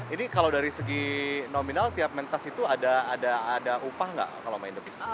ini kalau dari segi nominal tiap mentas itu ada upah nggak kalau main depan